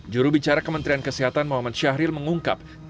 juru bicara kementerian kesehatan muhammad syahril mengungkap